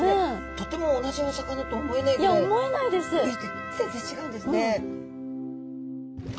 とても同じお魚とは思えないぐらい部位で全然違うんですね。